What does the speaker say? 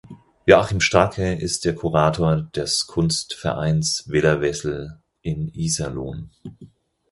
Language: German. Joachim Stracke ist der Kurator des Kunstvereins Villa Wessel in Iserlohn.